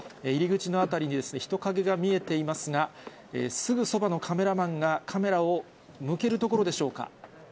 入り口の辺りに人影が見えていますが、すぐそばのカメラマンがカメラを向けるところでしょうか。